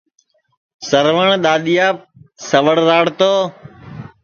سروٹؔ دؔادِؔیاپ سوڑ راݪ تو